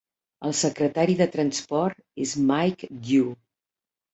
El secretari de Transport és Mike Dew.